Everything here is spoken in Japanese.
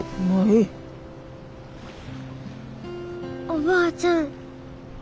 おばあちゃん